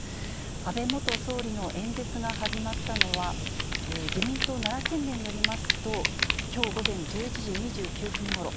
安倍元総理の演説が始まったのは、自民党奈良県連によりますと、きょう午前１１時２９分ごろ。